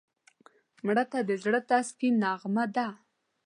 مړه ته د زړه تسکین نغمه ده